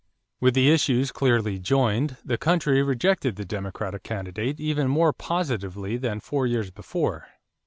With the issues clearly joined, the country rejected the Democratic candidate even more positively than four years before.